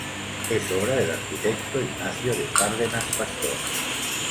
Es obra del arquitecto Ignacio de Cárdenas Pastor.